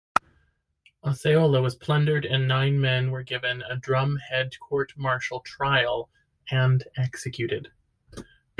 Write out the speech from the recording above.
Osceola was plundered and nine men were given a drumhead court-martial trial and executed.